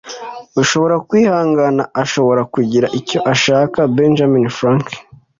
ushobora kwihangana ashobora kugira icyo ashaka. - benjamin franklin